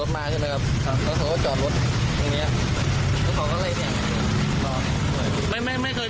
มันก็ปิดแก่ไล่เลย